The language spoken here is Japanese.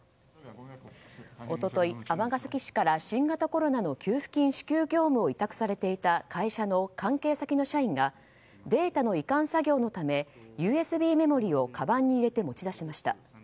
一昨日、尼崎市から新型コロナの給付金支給業務を委託されていた会社の関係先の社員がデータの移管作業のためＵＳＢメモリーをかばんに入れて持ち出しました。